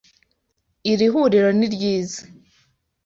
Iri huriro ni ryiza.